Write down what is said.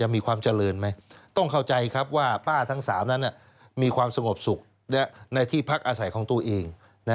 มีความสงบสุขในที่พักอาศัยของตัวเอง